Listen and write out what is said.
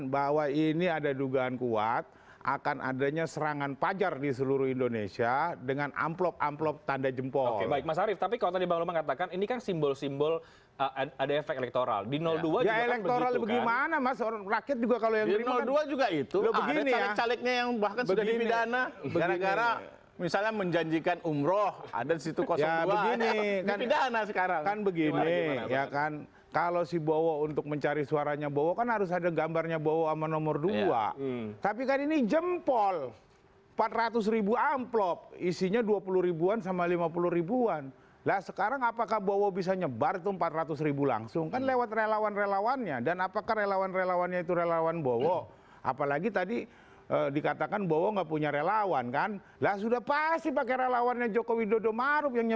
bukan serangan subuh seperti itu